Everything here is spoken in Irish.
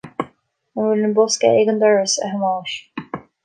An bhfuil an bosca ag an doras, a Thomáis